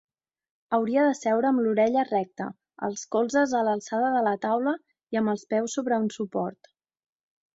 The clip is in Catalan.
Hauria de seure amb l'orella recta, els colzes a l'alçada de la taula i amb els peus sobre un suport.